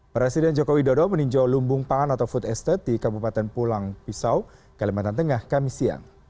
presiden jokowi dodo meninjau lumbung pangan atau food estate di kabupaten pulang pisau kalimantan tengah kami siang